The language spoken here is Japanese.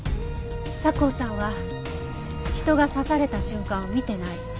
佐向さんは人が刺された瞬間を見てない。